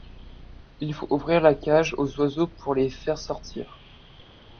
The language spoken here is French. il faut ouvrir la cage aux oiseaux pour les faire sortir